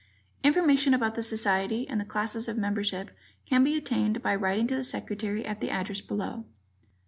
Information about the Society and the classes of membership can be obtained by writing to the secretary at the address below.